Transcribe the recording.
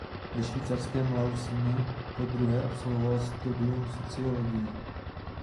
Ve švýcarském Lausanne podruhé absolvoval studium sociologie.